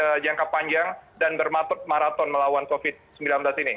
tapi juga siap untuk jangka panjang dan bermatuk maraton melawan covid sembilan belas ini